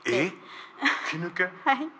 はい。